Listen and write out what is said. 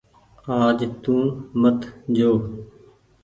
آج تو مت جو۔